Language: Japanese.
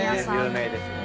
有名ですよね。